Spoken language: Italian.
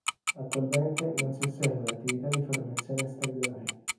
Attualmente non si osserva attività di formazione stellare.